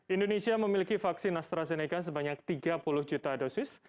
indonesia memiliki vaksin astrazeneca sebanyak tiga puluh juta dosis